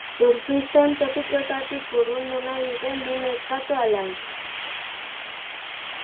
Surfisten topikoetatik urrundu nahi duten bi neskato alai.